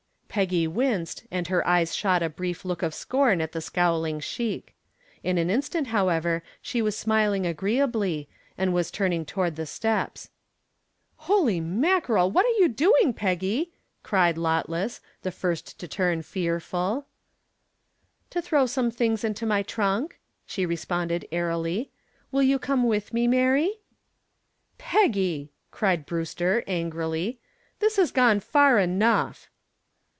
Peggy winced and her eyes shot a brief look of scorn at the scowling sheik. In an instant, however, she was smiling agreeably and was turning toward the steps. "Holy mackerel! Where are you going, Peggy?" cried Lotless, the first to turn fearful. "To throw some things into my trunk," she responded airily. "Will you come with me, Mary?" "Peggy!" cried Brewster angrily. "This has gone far enough."